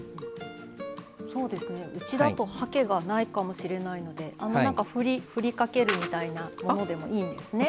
そうですねうちだとはけがないかもしれないのでふりかけるみたいなものでもいいんですね。